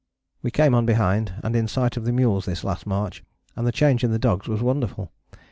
We came on behind, and in sight of the mules this last march, and the change in the dogs was wonderful.